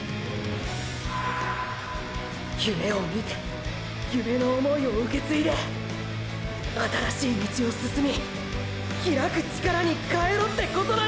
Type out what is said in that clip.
「夢」を見て夢の想いを受け継いで新しい「道」を進み拓く力に変えろってことなんだ！！